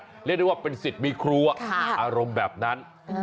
เรียกได้ว่าเป็นสิทธิ์มีครัวอารมณ์แบบนั้น